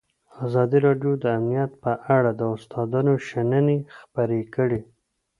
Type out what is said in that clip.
ازادي راډیو د امنیت په اړه د استادانو شننې خپرې کړي.